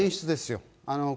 演出ですよ。